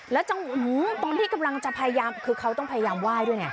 แล้วจังหวะตอนที่กำลังจะพยายามคือเขาต้องพยายามไหว้ด้วยไง